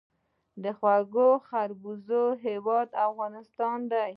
د خوږو خربوزو هیواد افغانستان.